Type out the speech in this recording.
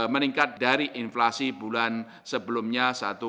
meningkat dari inflasi bulan sebelumnya